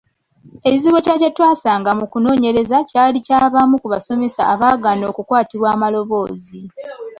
Ekizibu ekirala kye twasanga mu kunoonyereza kyali ky’abamu ku basomesa abaagaana okukwatibwa amaloboozi.